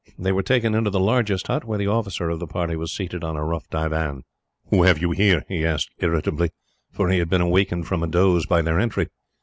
They were taken into the largest hut, where the officer of the party was seated on a rough divan. "Who have you here?" he asked irritably, for he had been awakened from a doze by their entry.